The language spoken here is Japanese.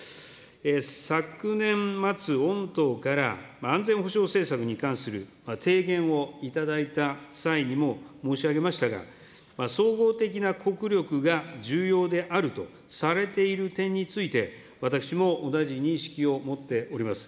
昨年末、御党から安全保障政策に関する提言をいただいた際にも申し上げましたが、総合的な国力が重要であるとされている点について、私も同じ認識を持っております。